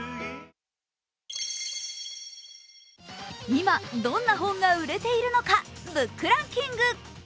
今、どんな本が売れているのかＢＯＯＫランキング。